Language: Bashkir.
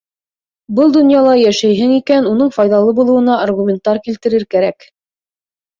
Был донъяла йәшәйһең икән, уның файҙалы булыуына аргументтар килтерер кәрәк.